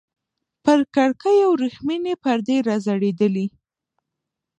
پر کړکيو ورېښمينې پردې راځړېدلې.